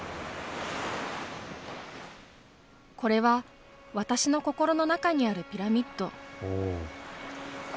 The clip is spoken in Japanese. これは私の心の中にあるピラミッド。